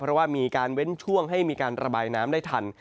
เพราะว่ามีการเว้นช่วงให้มีการระบายน้ำได้ทัน